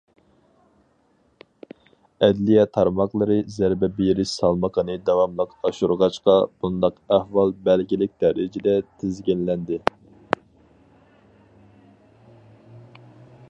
ئەدلىيە تارماقلىرى زەربە بېرىش سالمىقىنى داۋاملىق ئاشۇرغاچقا، بۇنداق ئەھۋال بەلگىلىك دەرىجىدە تىزگىنلەندى.